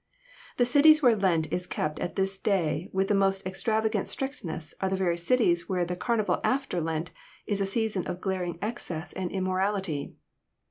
The cities where Lent is kept at this day with the most extravagant strictness are the very cities where the carnival after Lent is a season of glaring excess and immorality.